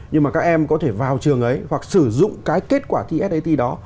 nhưng mà các em có thể vào trường ấy hoặc sử dụng cái kết quả thi sat đó